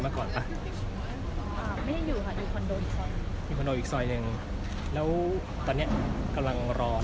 ตอนนี้บ้านหลังจะอยู่กับกี่คนครั้วคร่าว